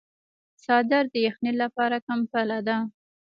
څادر د یخنۍ لپاره کمپله ده.